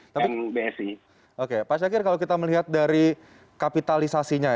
tapi oke pak syakir kalau kita melihat dari kapitalisasinya